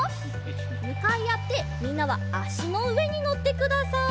むかいあってみんなはあしのうえにのってください。